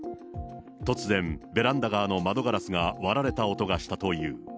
突然、ベランダ側の窓ガラスが割られた音がしたという。